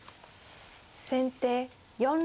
先手４六歩。